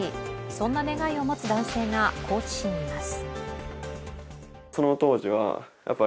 そんな願いを持つ男性が高知市にいます。